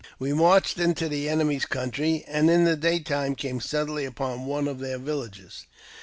We marched into the enemy's country, and in the daytime came suddenly upon one of their villages.